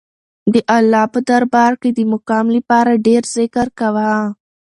د الله په دربار کې د مقام لپاره ډېر ذکر کوه.